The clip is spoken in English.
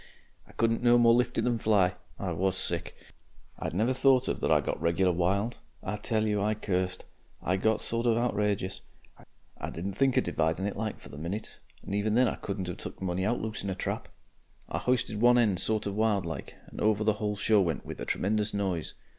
"I couldn't no more lift it than fly. I WAS sick. I'd never thought of that I got regular wild I tell you, I cursed. I got sort of outrageous. I didn't think of dividing it like for the minute, and even then I couldn't 'ave took money about loose in a trap. I hoisted one end sort of wild like, and over the whole show went with a tremenjous noise.